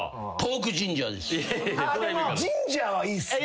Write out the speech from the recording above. ジンジャーはいいっすね。